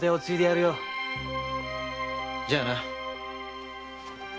じゃあな。